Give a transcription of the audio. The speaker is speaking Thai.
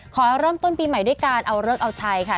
ขอเริ่มต้นปีใหม่ด้วยการเอาเลิกเอาชัยค่ะ